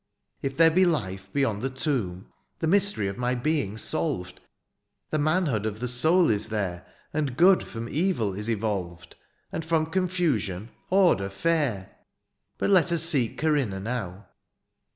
" If there be life beyond the tomb "The mystery of my being's solved; " The manhood of the soul is there, " And good firom evil is evolved, "And from confusion order feir. " But let us seek Corinna now.'